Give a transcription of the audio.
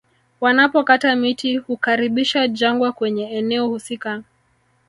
Wanapokata miti hukaribisha jangwa kwenye eneo husika